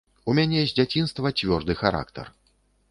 У мяне з дзяцінства цвёрды характар.